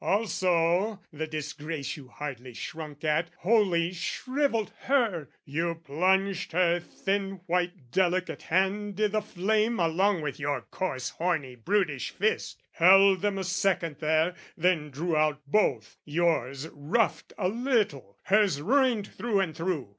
Also, the disgrace "You hardly shrunk at, wholly shrivelled her: "You plunged her thin white delicate hand i' the flame "Along with your coarse horny brutish fist, "Held them a second there, then drew out both " Yours roughed a little, hers ruined through and through.